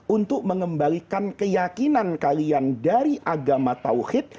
untuk mengembalikan keyakinan kalian dari agama tawhid